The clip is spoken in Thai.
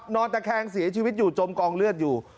ตะแคงเสียชีวิตอยู่จมกองเลือดอยู่